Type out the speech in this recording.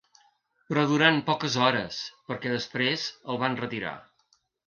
Però durant poques hores, perquè després el van retirar.